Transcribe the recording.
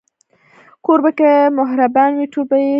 کوربه که مهربانه وي، ټول به يې ستایي.